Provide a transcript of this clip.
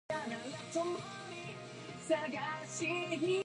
Sumter, asleep under a wagon, barely got away in the ensuing panic.